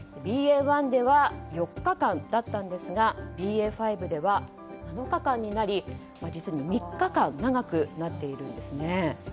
ＢＡ．１では４日間だったんですがＢＡ．５では７日間になり実に３日間長くなっているんです。